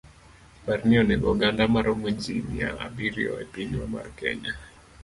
Parni onego oganda maromo ji mia abiriyo epinywa mar Kenya.